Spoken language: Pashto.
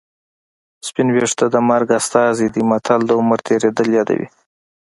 سپین ویښته د مرګ استازی دی متل د عمر تېرېدل یادوي